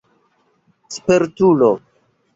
spertulo